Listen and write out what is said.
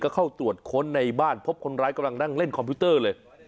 เข้าตรวจค้นในบ้านพบคนร้ายกำลังนั่งเล่นคอมพิวเตอร์เลย